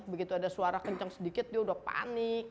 begitu ada suara kencang sedikit dia udah panik